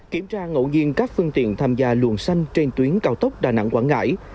kiểm tra ngậu nhiên các phương tiện tham gia lường xanh trên tuyến cao tốc đà nẵng quảng ngãi